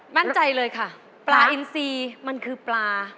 มั่นใจเลยค่ะปลาอินซีมันคือปลา